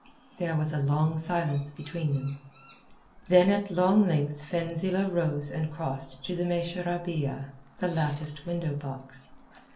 There was a long silence between them. Then at long length Fenzileh rose and crossed to the meshra biyah—the latticed window box.